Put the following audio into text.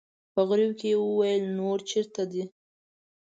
په غريو کې يې وويل: نور چېرته دي؟